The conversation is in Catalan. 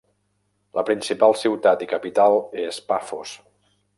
La principal ciutat i capital és Pafos.